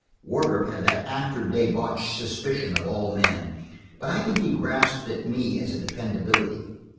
Wardrop had that after debauch suspicion of all men, but I think he grasped at me as a dependability.